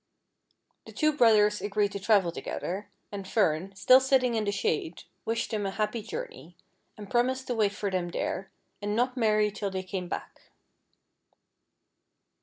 The two brothers agreed to travel together, and Fern, still sitting in the shade, wished them a liapp\ journey, and promised to wait for them there, and not marry till they came back.